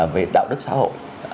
về đạo đức xã hội